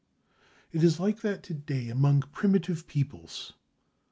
It is like that to day among primitive peoples.